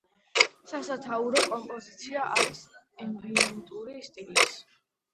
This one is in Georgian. სასათაურო კომპოზიცია არის ემბიენტური სტილის.